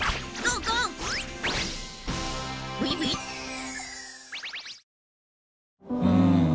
うん。